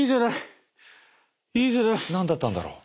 何だったんだろう。